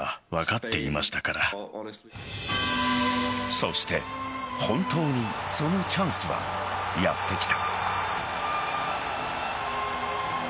そして、本当にそのチャンスはやってきた。